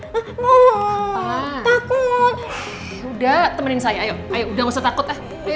udah temenin saya ayo udah gak usah takut